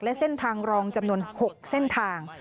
และเส้นทางรองจำนวน๖เส้นทาง